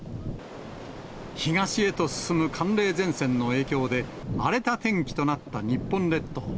東へと進む寒冷前線の影響で、荒れた天気となった日本列島。